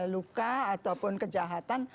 luka ataupun kejahatan